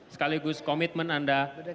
sekaligus komitmen anda bagi warga jakarta